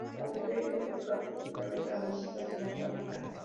El auditorio está dedicado principalmente a la música sinfónica.